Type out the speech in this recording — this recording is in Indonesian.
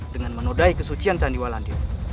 dengan menodai kesucian candiwalandir